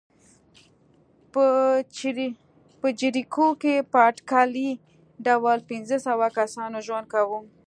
په جریکو کې په اټکلي ډول پنځه سوه کسانو ژوند کاوه.